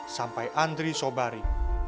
sampai andri sobari